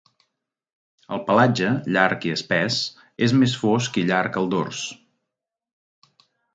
El pelatge, llarg i espès, és més fosc i llarg al dors.